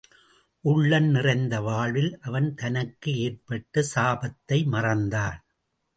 உள்ளம் நிறைந்த வாழ்வில் அவன் தனக்கு ஏற்பட்ட சாபத்தை மறந்தான்.